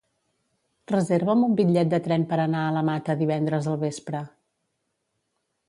Reserva'm un bitllet de tren per anar a la Mata divendres al vespre.